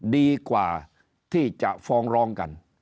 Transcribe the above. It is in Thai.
ดีกว่าที่จะฟ้องร้องกัน